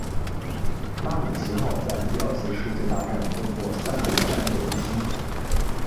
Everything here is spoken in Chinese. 拉姆齐号在第二次世界大战共获三枚战斗之星。